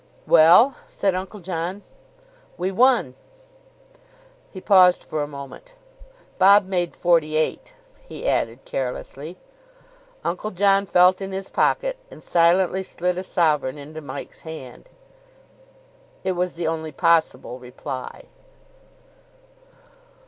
"Well?" said Uncle John. "We won." He paused for a moment. "Bob made forty eight," he added carelessly. Uncle John felt in his pocket, and silently slid a sovereign into Mike's hand. It was the only possible reply.